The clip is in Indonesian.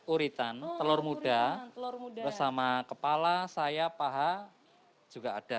uritan telur muda bersama kepala saya paha juga ada